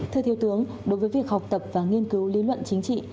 thưa thiếu tướng đối với việc học tập và nghiên cứu lý luận chính trị